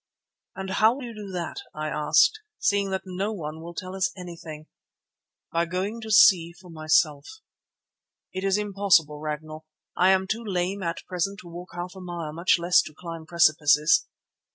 "And how will you do that," I asked, "seeing that no one will tell us anything?" "By going to see for myself." "It is impossible, Ragnall. I am too lame at present to walk half a mile, much less to climb precipices."